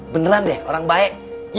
beneran deh orang baik